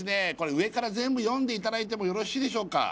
上から全部読んでいただいてもよろしいでしょうか？